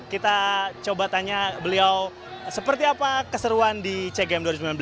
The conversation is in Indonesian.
kita coba tanya beliau seperti apa keseruan di cgm dua ribu sembilan belas